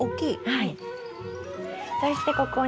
はい。